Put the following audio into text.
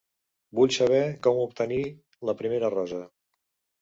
Vull saber com obtenir la primera rosa.